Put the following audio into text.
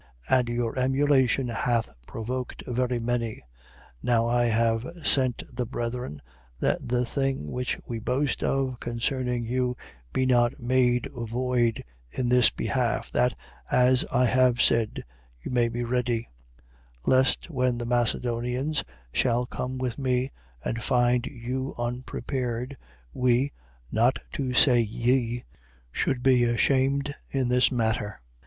And your emulation hath provoked very many. 9:3. Now I have sent the brethren, that the thing which we boast of concerning you be not made void in this behalf, that (as I have said) you may be ready: 9:4. Lest, when the Macedonians shall come with me and find you unprepared, we (not to say ye) should be ashamed in this matter.